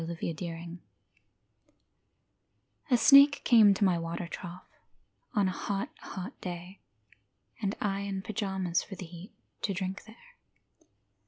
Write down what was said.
LAWRENCE SNAKE A snake came to my water trough On a hot, hot day, and I in pyjamas for the heat, To drink there.